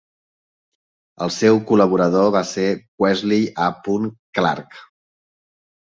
El seu col·laborador va ser Wesley A. Clark.